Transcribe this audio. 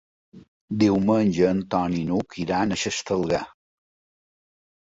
Diumenge en Ton i n'Hug iran a Xestalgar.